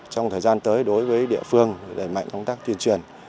trong thời gian tới đối với địa phương đẩy mạnh công tác tuyên truyền